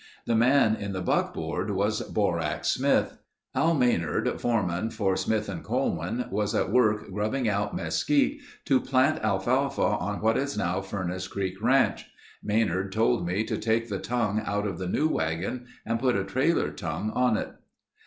The man in the buckboard was Borax Smith. "Al Maynard, foreman for Smith and Coleman, was at work grubbing out mesquite to plant alfalfa on what is now Furnace Creek Ranch. Maynard told me to take the tongue out of the new wagon and put a trailer tongue in it.